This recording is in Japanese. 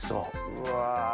うわ！